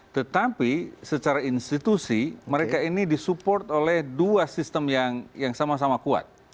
tetapi secara institusi mereka ini disupport oleh dua sistem yang sama sama kuat